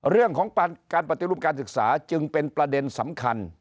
เรื่องของการปฏิรูปการศึกษาจึงเป็นประเด็นสำคัญ